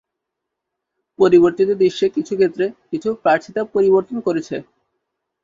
পরিবর্তিত দৃশ্যে কিছু ক্ষেত্রে কিছু প্রার্থিতা পরিবর্তন করেছে।